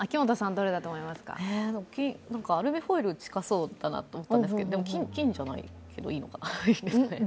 アルミホイル、近そうだなと思ったんですけど、金じゃないけどいいんですかね？